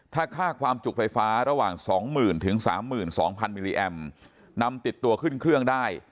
ถ้าค่าความจุไฟฟ้าระหว่างสองหมื่นถึงสามหมื่นสองพันมิลลิแอมป์นำติดตัวขึ้นเครื่องได้